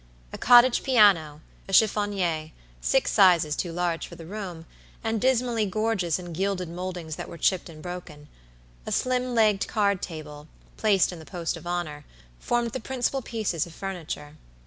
A cottage piano, a chiffonier, six sizes too large for the room, and dismally gorgeous in gilded moldings that were chipped and broken; a slim legged card table, placed in the post of honor, formed the principal pieces of furniture.